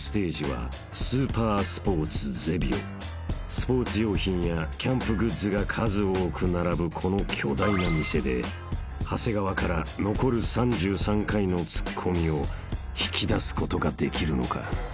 ［スポーツ用品やキャンプグッズが数多く並ぶこの巨大な店で長谷川から残る３３回のツッコミを引き出すことができるのか？］